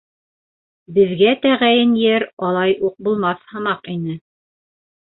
Беҙгә тәғәйен ер алай уҡ булмаҫ һымаҡ ине.